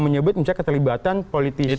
menyebut misalnya keterlibatan politisi